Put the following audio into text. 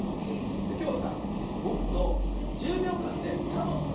きょうはさぼくと１０びょうかんで「た」のつく